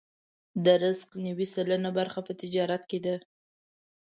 د رزق نوې سلنه برخه په تجارت کې ده.